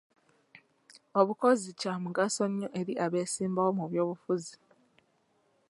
Obukozi Kya mugaso nnyo eri abesimbawo mu by'obufuzi.